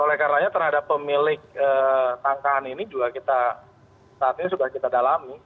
oleh karenanya terhadap pemilik tangkahan ini juga kita saat ini sudah kita dalami